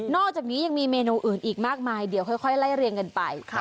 อกจากนี้ยังมีเมนูอื่นอีกมากมายเดี๋ยวค่อยไล่เรียงกันไป